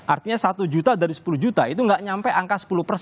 artinya satu juta dari sepuluh juta itu nggak nyampe angka sepuluh persen